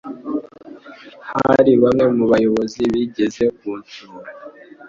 hari bamwe mu bayobozi bigeze kunsura